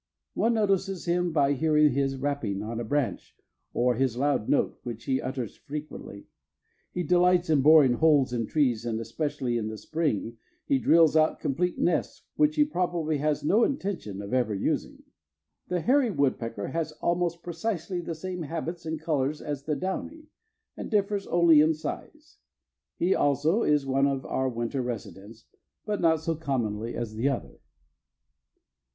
One notices him by hearing his rapping on a branch or his loud note, which he utters frequently. He delights in boring holes in trees and, especially in the spring, he drills out complete nests which he probably has no intention of ever using. The hairy woodpecker has almost precisely the same habits and colors as the downy, and differs only in size. He, also, is one of our winter residents, but not so commonly as the other.